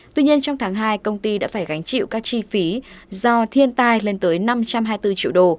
tuy nhiên trong tháng hai công ty đã phải gánh chịu các chi phí do thiên tai lên tới năm trăm hai mươi bốn triệu đô